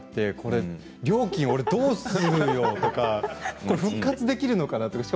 これどうするのと復活できるのかなとか。